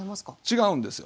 違うんですよ。